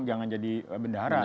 jangan jadi bendahara